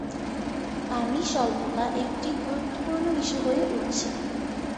পানি স্বল্পতা একটি গুরুত্বপূর্ণ ইস্যু হয়ে উঠছে।